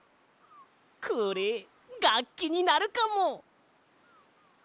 これがっきになるかも！